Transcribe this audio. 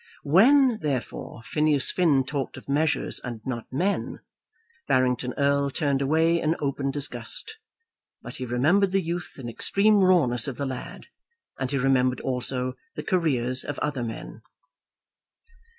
When, therefore, Phineas Finn talked of measures and not men, Barrington Erle turned away in open disgust. But he remembered the youth and extreme rawness of the lad, and he remembered also the careers of other men.